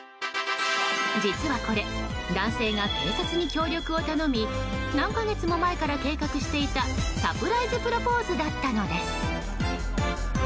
実はこれ男性が警察に協力を頼み何か月も前から計画していたサプライズプロポーズだったのです。